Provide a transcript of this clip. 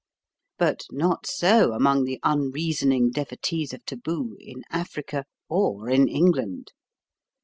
But not so among the unreasoning devotees of taboo, in Africa or in England.